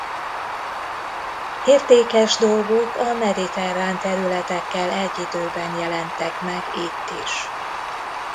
Értékes dolgok a mediterrán területekkel egyidőben jelentek meg itt is.